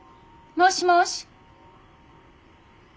もしもし。